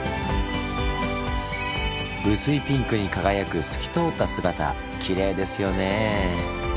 薄いピンクに輝く透き通った姿キレイですよね。